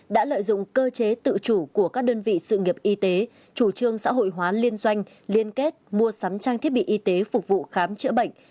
đã lợi dụng cơ chế tự chủ của các đơn vị sự nghiệp y tế chủ trương xã hội hóa liên doanh liên kết mua sắm trang thiết bị y tế phục vụ khám chữa bệnh